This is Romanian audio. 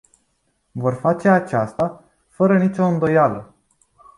Vor face aceasta, fără nicio îndoială.